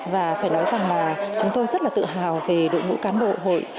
và phải nói rằng là chúng tôi rất là tự hào về đội ngũ cán bộ hội